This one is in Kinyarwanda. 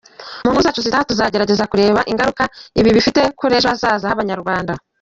Mu nkuru zacu zitaha tuzagerageza kureba ingaruka ibi bifite kuri ejo hazaza h’abanyarwanda.